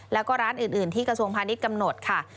แล้วก็ร้านอื่นที่กระทรวงพาณิชย์กำหนดค่ะ